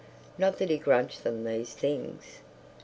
Not that he grudged them these things.